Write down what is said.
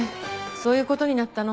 そういう事になったの。